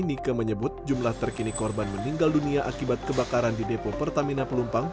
nike menyebut jumlah terkini korban meninggal dunia akibat kebakaran di depo pertamina pelumpang